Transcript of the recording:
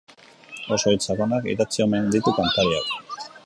Oso hitz sakonak idatzi omen ditu kantariak.